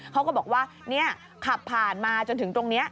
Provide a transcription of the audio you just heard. เขาก็บอกว่าขับผ่านมาจนถึงตรงนี้